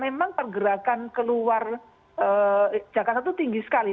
memang pergerakan keluar jakarta itu tinggi sekali